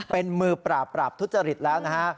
เป็นมือปราบปราบทุจริตแล้วนะฮะ